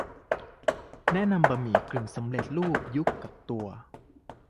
แนะนำบะหมี่กึ่งสำเร็จรูปยุคกักตัว